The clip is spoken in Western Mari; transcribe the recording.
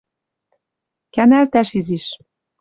Кӓнӓлтӓш изиш.